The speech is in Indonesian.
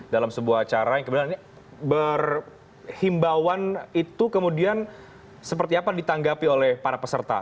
dalam sebuah acara yang kemudian berhimbauan itu kemudian seperti apa ditanggapi oleh para peserta